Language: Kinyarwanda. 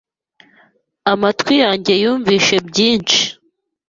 amatwi yanjye yumvise byinshi,